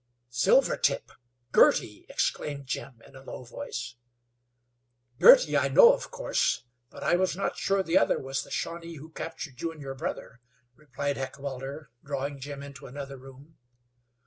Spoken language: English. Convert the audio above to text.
"Silvertip! Girty!" exclaimed Jim, in a low voice. "Girty I knew, of course; but I was not sure the other was the Shawnee who captured you and your brother," replied Heckewelder, drawing Jim into another room.